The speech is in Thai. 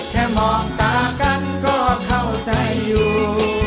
แค่มองตากันก็เข้าใจอยู่